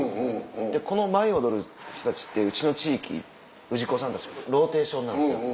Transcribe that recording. でこの舞を踊る人たちってうちの地域氏子さんたちのローテーションなんですよ。